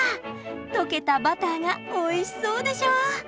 溶けたバターがおいしそうでしょう！